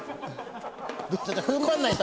踏ん張らないと。